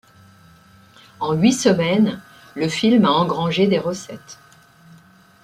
En huit semaines, le film a engrangé de recettes.